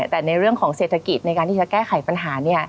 แต่ในเรื่องของเศรษฐกิจในการที่จะแก้ไขปัญหา